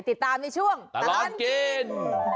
ติดตามในช่วงตลอดกิน